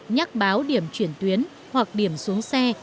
nhắc báo điểm chuyển tuyến hoặc điểm xuống xe